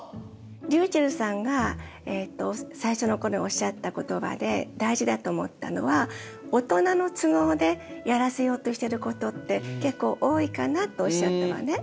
りゅうちぇるさんが最初のころおっしゃった言葉で大事だと思ったのは「大人の都合でやらせようとしてることって結構多いかな」とおっしゃったのね。